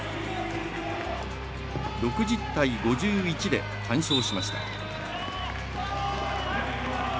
６０対５１で完勝しました。